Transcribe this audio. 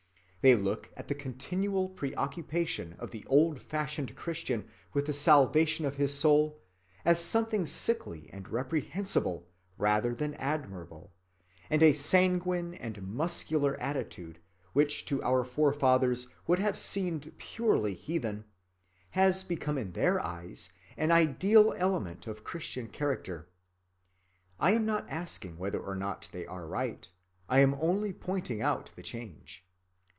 They look at the continual preoccupation of the old‐fashioned Christian with the salvation of his soul as something sickly and reprehensible rather than admirable; and a sanguine and "muscular" attitude, which to our forefathers would have seemed purely heathen, has become in their eyes an ideal element of Christian character. I am not asking whether or not they are right, I am only pointing out the change.